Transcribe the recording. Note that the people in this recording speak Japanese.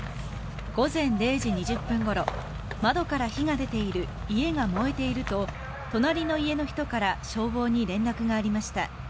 午前０時２０分ごろ窓から火が出ている家が燃えていると隣の家の人から消防に連絡がありました。